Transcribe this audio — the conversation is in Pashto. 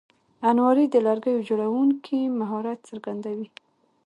الماري د لرګیو جوړوونکي مهارت څرګندوي